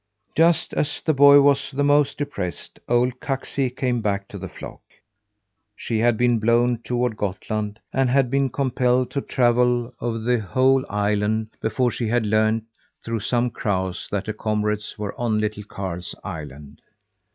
Just as the boy was the most depressed, old Kaksi came back to the flock. She had been blown toward Gottland, and had been compelled to travel over the whole island before she had learned through some crows that her comrades were on Little Karl's Island.